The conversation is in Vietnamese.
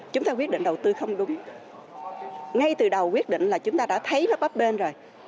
chúng ta quyết định đầu tư không đúng ngay từ đầu quyết định là chúng ta đã thấy nó có bên rồi